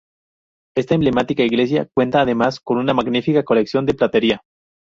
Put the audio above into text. Esta emblemática iglesia cuenta además con una magnífica colección de platería.